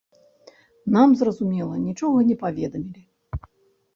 Нам, зразумела, нічога не паведамілі.